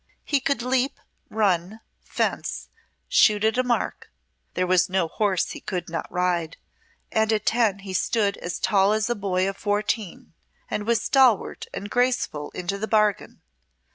He could leap, run, fence, shoot at a mark; there was no horse he could not ride, and at ten he stood as tall as a boy of fourteen, and was stalwart and graceful into the bargain.